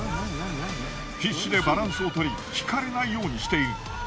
必死でバランスをとりひかれないようにしている。